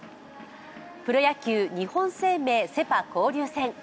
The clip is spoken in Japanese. プロ野球、日本生命セ・パ交流戦。